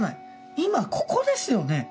今ここですよね？